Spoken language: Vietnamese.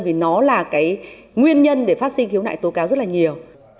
vì nó là cái nguyên nhân để phát sinh khiếu nại tố cáo rất là nhiều